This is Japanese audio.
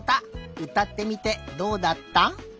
うたってみてどうだった？